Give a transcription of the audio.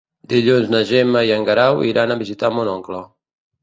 Dilluns na Gemma i en Guerau iran a visitar mon oncle.